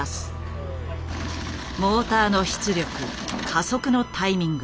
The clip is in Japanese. モーターの出力加速のタイミング